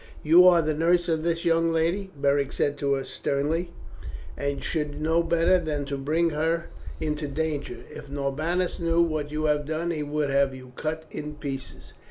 "You are the nurse of this young lady," Beric said to her sternly, "and should know better than to bring her into danger. If Norbanus knew what you have done he would have you cut in pieces."